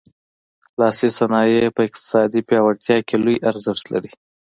لاسي صنایع په اقتصادي پیاوړتیا کې لوی ارزښت لري.